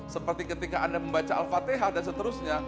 seperti ketika anda membaca al fatihah dan seterusnya